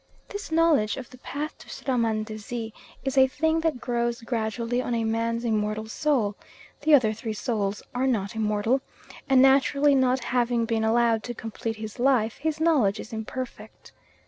This knowledge of the path to Srahmandazi is a thing that grows gradually on a man's immortal soul (the other three souls are not immortal), and naturally not having been allowed to complete his life, his knowledge is imperfect.